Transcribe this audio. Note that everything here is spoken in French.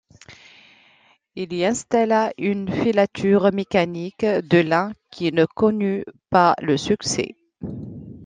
Il y installa une filature mécanique de lin qui ne connut pas le succès.